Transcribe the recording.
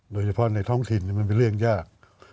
โดยเฉพาะในท้องถิ่นมันเป็นเรื่องยาก